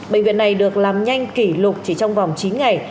bệnh viện này được làm nhanh kỷ lục chỉ trong vòng chín ngày